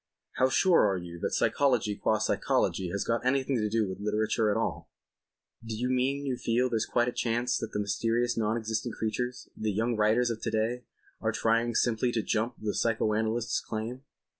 How sure are you that psychology qua psychology has got anything to do with literature at all?" "Do you mean you feel there's quite a chance that the mysterious non existent creatures—the young writers of to day—are trying simply to jump the psycho analyst's claim?"